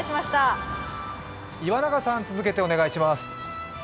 岩永さん、続けてお願いします。